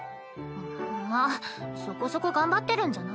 まあそこそこ頑張ってるんじゃない？